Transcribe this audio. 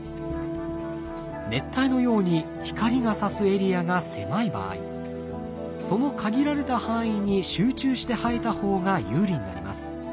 熱帯のように光がさすエリアが狭い場合その限られた範囲に集中して生えた方が有利になります。